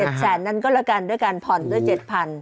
๗๐๐บาทนั้นก็ระกันด้วยการผ่อนด้วย๗๐๐๐บาท